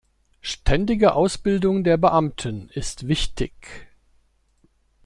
Ständige Ausbildung der Beamten ist wichtig!